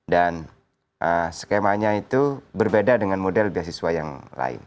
dan skemanya itu berbeda dengan model beasiswa yang lain